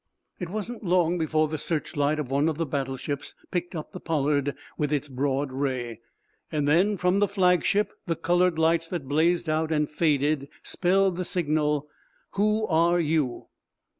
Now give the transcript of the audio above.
It wasn't long before the searchlight of one of the battleships picked up the "Pollard" with its broad ray. Then, from the flagship the colored lights that blazed out and faded spelled the signal: "Who are you?"